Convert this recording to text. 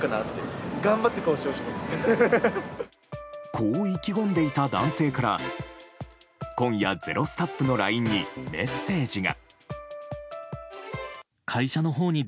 こう意気込んでいた男性から今夜、「ｚｅｒｏ」スタッフのＬＩＮＥにメッセージが。